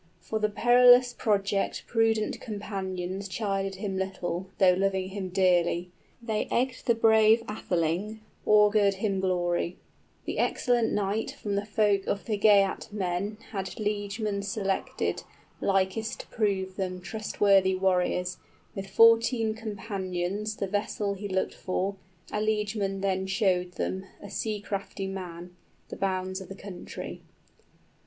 For the perilous project prudent companions Chided him little, though loving him dearly; 15 They egged the brave atheling, augured him glory. {With fourteen carefully chosen companions, he sets out for Dane land.} The excellent knight from the folk of the Geatmen Had liegemen selected, likest to prove them Trustworthy warriors; with fourteen companions The vessel he looked for; a liegeman then showed them, 20 A sea crafty man, the bounds of the country.